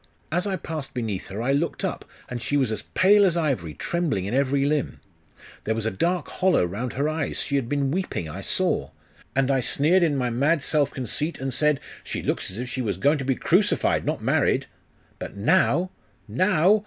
As I passed beneath her, I looked up; and she was as pale as ivory, trembling in every limb. There was a dark hollow round her eyes she had been weeping, I saw. And I sneered in my mad self conceit, and said, "She looks as if she was going to be crucified, not married!". But now, now!